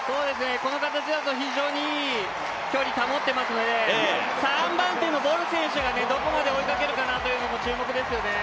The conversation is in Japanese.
この形だと非常にいい距離を保っているので３番手のボル選手がどこまで追いかけるかも注目ですね。